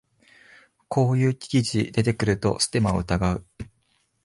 こういう記事出てくるとステマを疑う